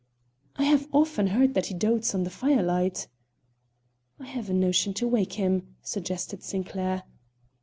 "I have often heard that he dotes on the firelight." "I have a notion to wake him," suggested Sinclair.